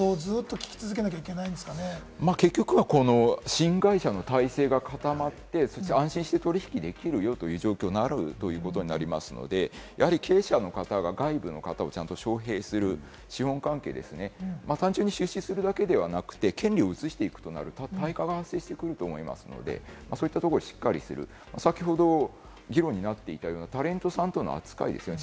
これに出れないとか言う報道を聞結局は新会社の体制が固まって、そして安心して取引できるよという状況になるということになりますので、経営者の方が外部の方をちゃんと招聘する、資本関係ですね、単純に出資するだけではなくて権利を移していくとなると、対価が発生してくると思いますので、そういったところをしっかりする、先ほど議論になっていたようなタレントさんとの扱いですね。